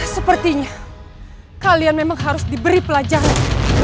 sepertinya kalian memang harus diberi pelajaran